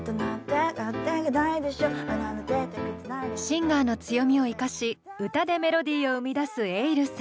シンガーの強みを生かし歌でメロディーを生み出すｅｉｌｌさん。